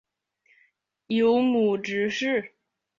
友庙执事。